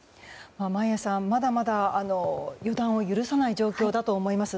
眞家さん、まだまだ予断を許さない状況だと思います。